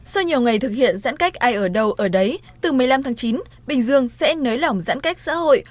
sau nhiều ngày thực hiện giãn cách ai ở đâu ở đấy từ một mươi năm tháng chín bình dương sẽ nới lỏng giãn cách xã hội